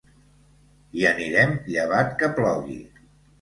Hi anirem, llevat que plogui.